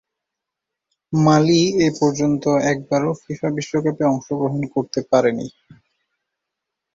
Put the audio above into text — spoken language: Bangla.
মালি এপর্যন্ত একবারও ফিফা বিশ্বকাপে অংশগ্রহণ করতে পারেনি।